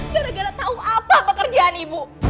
gara gara tahu apa pekerjaan ibu